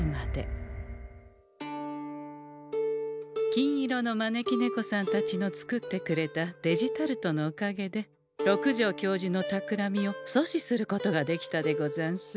金色の招き猫さんたちの作ってくれたデジタルトのおかげで六条教授のたくらみを阻止することができたでござんす。